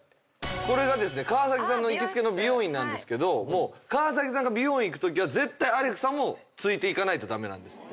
これがですね川崎さんの行きつけの美容院なんですけど川崎さんが美容院行くときは絶対アレクさんもついていかないと駄目なんです。